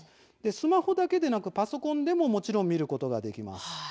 スマホだけでなく、パソコンでももちろん見ることができます。